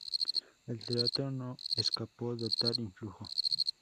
El teatro no escapó de tal influjo.